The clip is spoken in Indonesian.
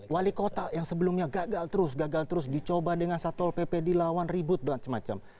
wali kota yang sebelumnya gagal terus gagal terus dicoba dengan satpol pp dilawan ribut macam macam